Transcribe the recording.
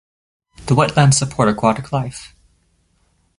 The wetlands support aquatic life.